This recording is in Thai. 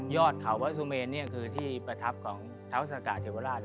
ยอดเขาพระสุเมนเนี่ยคือที่ประทับของเทาสักกะเถวราช